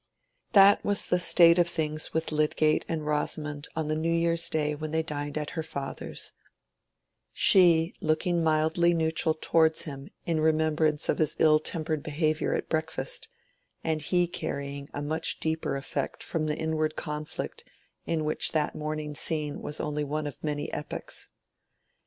That was the state of things with Lydgate and Rosamond on the New Year's Day when they dined at her father's, she looking mildly neutral towards him in remembrance of his ill tempered behavior at breakfast, and he carrying a much deeper effect from the inward conflict in which that morning scene was only one of many epochs.